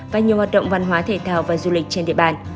và nhiều hoạt động văn hóa thể thao và du lịch trên địa bàn